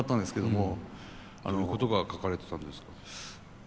どういうことが書かれてたんですか？